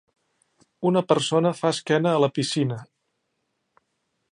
Una persona fa esquena a la piscina.